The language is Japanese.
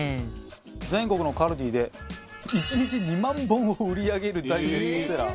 全国のＫＡＬＤＩで１日２万本を売り上げる大ベストセラー。